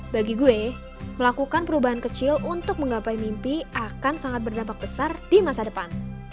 bagi gue melakukan perubahan kecil untuk menggapai mimpi akan sangat berdampak besar di masa depan